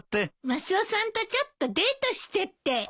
マスオさんとちょっとデートしてて。